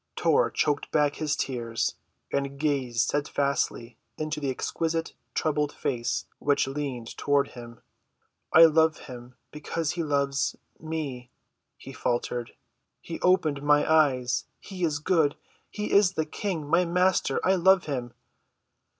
Tor choked back his tears and gazed steadfastly into the exquisite troubled face which leaned toward him. "I love him—because he loves—me," he faltered. "He opened my eyes. He is good. He is the King—my Master. I love him."